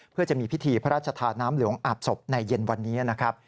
เพื่อจะมีพิธีพระราชทานน้ำหลวงอาบศพในเย็นวันนี้นะครับ